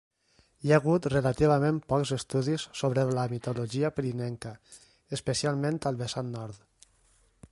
Hi ha hagut relativament pocs estudis sobre la mitologia pirinenca, especialment al vessant nord.